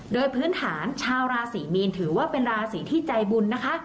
โดยพื้นฐานชาวราศรีมีนถือว่าเป็นราศีที่ใจบุญนะคะ